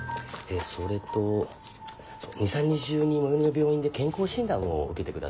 それと２３日中に最寄りの病院で健康診断を受けてください。